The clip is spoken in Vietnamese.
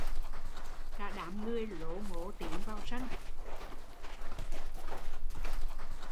Cả đám người lố ngố tiến vào sân